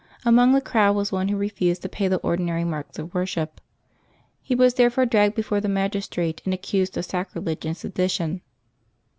Amongst the crowd was one who refused to pay the ordi nary marks of worship. He was therefore dragged before the magistrate and accused of sacrilege and sedition.